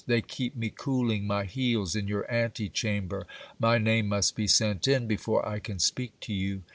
They keep me cooling my heels in your ' ante chamber ; my name must be sent in before I can speak to you.